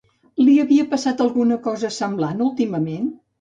Li havia passat alguna cosa semblant últimament?